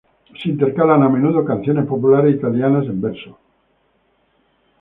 Se intercalan a menudo canciones populares italianas en verso.